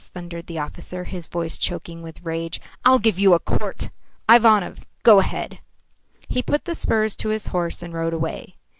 thundered the officer, his voice choking with rage. "I'll give you a court. Ivanov, go ahead." He put the spurs to his horse and rode away.